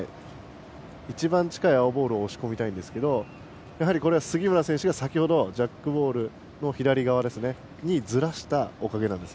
一番近い青ボールを押し込みたいんですけどやはり杉村選手が先ほどジャックボールを左側にずらしたおかげです。